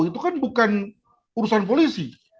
itu kan bukan urusan polisi